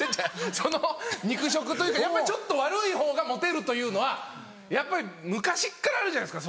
その肉食というかちょっと悪いほうがモテるというのはやっぱり昔っからあるじゃないですか。